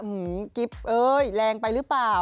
หืมกริ๊ปเอ่ยแรงไปหรือเปล่า